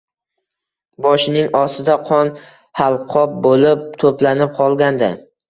Boshining ostida qon halqob bo`lib to`planib qolgandi